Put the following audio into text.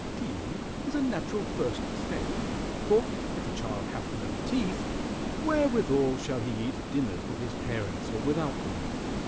Teething is a natural first step, for if a child hath no teeth, wherewithal shall he eat dinners with his parents or without them?"